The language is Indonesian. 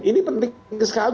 ini penting sekali